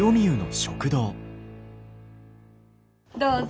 どうぞ。